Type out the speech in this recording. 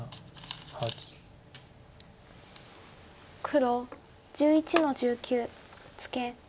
黒１１の十九ツケ。